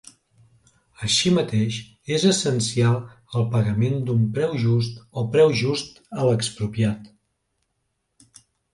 Així mateix, és essencial el pagament d'un preu just o preu just a l'expropiat.